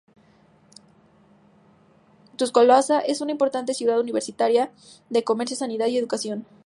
Tuscaloosa es una importante ciudad universitaria, de comercio, sanidad y educación.